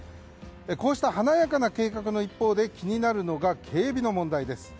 こうした華やかな計画の一方で気になるのが警備の問題です。